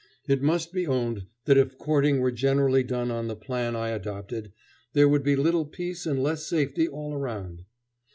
It must be owned that if courting were generally done on the plan I adopted, there would be little peace and less safety all around.